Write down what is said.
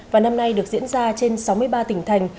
và năm nay được diễn ra trên sáu mươi ba tỉnh thành